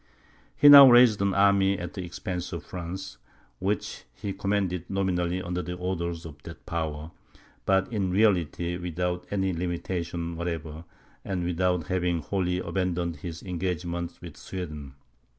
He now raised an army at the expense of France, which he commanded nominally under the orders of that power, but in reality without any limitation whatever, and without having wholly abandoned his engagements with Sweden.